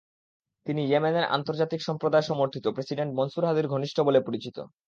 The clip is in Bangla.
তিনি ইয়েমেনের আন্তর্জাতিক সম্প্রদায় সমর্থিত প্রেসিডেন্ট মনসুর হাদির ঘনিষ্ঠ বলে পরিচিত।